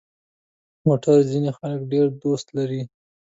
موټر ځینې خلک ډېر دوست لري.